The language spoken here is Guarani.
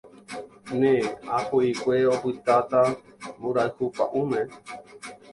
Ne ã ku'ikue opytáta mborayhu pa'ũme